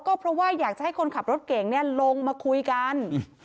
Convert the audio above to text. ก็เพราะว่าอยากจะให้คนขับรถเก่งลงมาคุยกัน